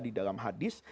di dalam hadis